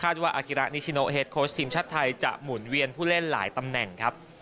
ว่าอากิระนิชิโนเฮดโค้ชทีมชาติไทยจะหมุนเวียนผู้เล่นหลายตำแหน่งครับ